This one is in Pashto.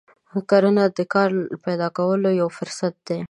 کرنه د کار پیدا کولو یو ښه فرصت دی.